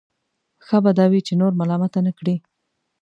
ښه به دا وي چې نور ملامته نه کړي.